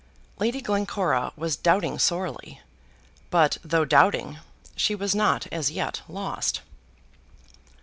Lady Glencora was doubting sorely; but, though doubting, she was not as yet lost.